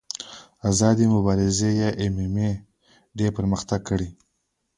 آزادې مبارزې یا ایم ایم اې ډېر پرمختګ کړی.